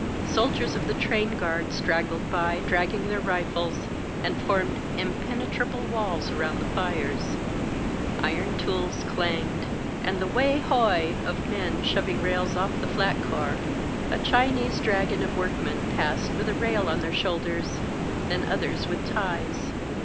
Sol diers of the train guard straggled by, dragging their rifles, and formed impenetrable walls around the fires. Iron tools clanged, and the Wai hoy !" of men shoving rails off the flat car. A Chinese dragon of workmen passed with a rail on their shoulders, then others with ties.